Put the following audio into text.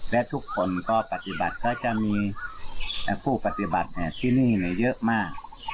และทุกคนก็ปฏิบัติก็จะมีผู้ปฏิบัติที่นี่เยอะมาก